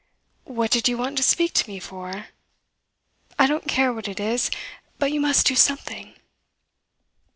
What did you want to speak to me for? I don't care what it is, but you must do something."